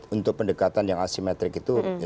untuk pendekatan yang asimetrik itu